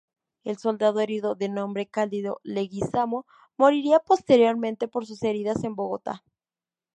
El soldado herido, de nombre Cándido Leguizamo, moriría posteriormente por sus heridas en Bogotá.